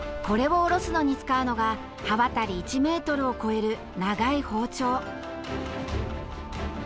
これをおろすのに使うのが刃渡り１ｍを超える長い包丁。